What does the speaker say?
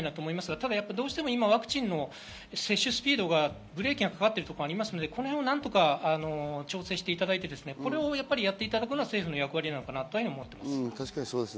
今ただ、どうしてもワクチンの接種スピードにブレーキがかかっているので、何とか調整していただいてこれをやっていただくのが政府の役割かなと思います。